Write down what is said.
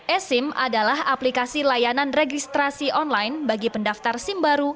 esim adalah aplikasi layanan registrasi online bagi pendaftar sim baru